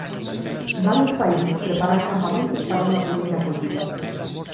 Varios países preparan campamentos para unha primeira acollida.